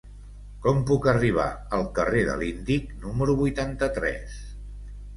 Com puc arribar al carrer de l'Índic número vuitanta-tres?